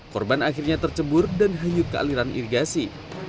korban akhirnya tercebur dan hanyut ke aliran irigasi